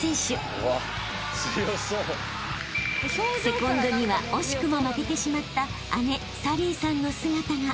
［セコンドには惜しくも負けてしまった姉紗鈴依さんの姿が］